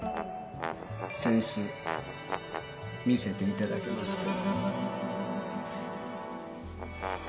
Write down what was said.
扇子見せて頂けますか？